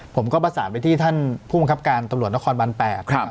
ผมก็ประสานไปที่ท่านผู้บังคับการตำรวจนครบัน๘